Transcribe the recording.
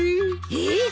えっ？